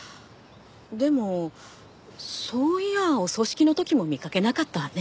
でもそういやお葬式の時も見かけなかったわね。